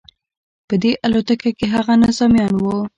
په دې الوتکه کې هغه نظامیان وو